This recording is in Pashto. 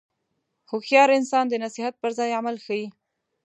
هوښیار انسان د نصیحت پر ځای عمل ښيي.